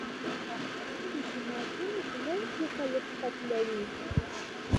ان د جوماتونو په منځ کې خلک قتلوي.